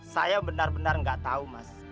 saya benar benar nggak tahu mas